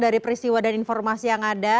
dari peristiwa dan informasi yang ada